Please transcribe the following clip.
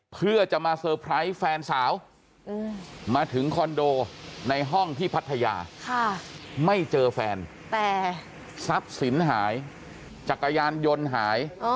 เพื่อจะมาเซอร์ไพรส์แฟนสาวมาถึงคอนโดในห้องที่พัทยาไม่เจอแฟนแต่ทรัพย์สินหายจักรยานยนต์หาย